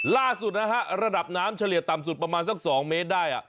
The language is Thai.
ล่าสุดนะฮะระดับน้ำเฉลี่ยต่ำสุดประมาณสัก๒เมตรได้